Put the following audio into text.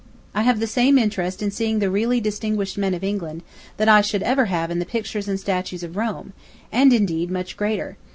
I have the same interest in seeing the really distinguished men of England, that I should have in the pictures and statues of Rome, and indeed, much greater.